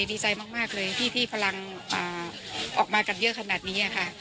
ดีใจมากเลยที่พลังออกมากันเยอะขนาดนี้ค่ะ